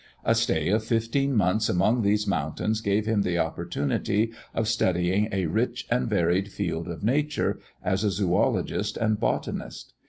A stay of fifteen months among these mountains gave him the opportunity of studying a rich and varied field of nature, as a zoologist and botanist.